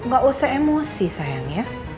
gak usah emosi sayang ya